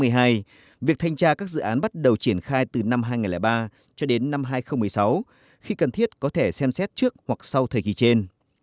việc thanh tra các dự án bắt đầu triển khai từ năm hai nghìn ba cho đến năm hai nghìn một mươi sáu khi cần thiết có thể xem xét trước hoặc sau thời kỳ trên